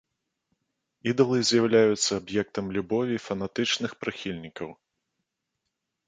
Ідалы з'яўляюцца аб'ектам любові фанатычных прыхільнікаў.